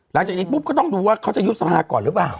หลังจากนี้ปุ๊บก็ต้องดูว่าเขาจะยุบสภาก่อนหรือเปล่า